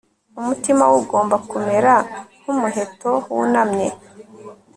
Umutima we ugomba kumera nkumuheto wunamye